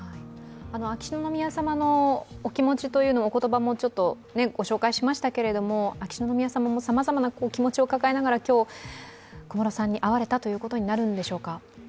秋篠宮さまのお気持ちお言葉もご紹介しましたけど秋篠宮さまもさまざまな気持ちを感じながら今日、小室さんに会われたということになるんでしょうか。